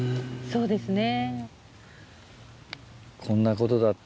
そうですね。